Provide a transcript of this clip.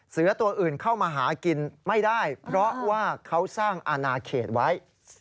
เสือตัวอื่นเข้ามาหากินไม่ได้เพราะว่าเขาสร้างอนาเขตไว้